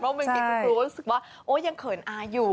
เพราะว่าคุณครูรู้สึกว่ายังเขินอายอยู่